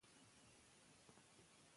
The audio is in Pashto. موږ د خپلو یادونو له مخې پېژندل کېږو.